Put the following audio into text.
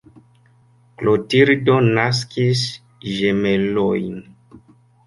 Klotildo naskis ĝemelojn.